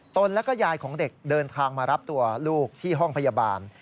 ตนและก็ยายของเด็กเดินทางมารับตัวลูกที่ห้องพยาบาล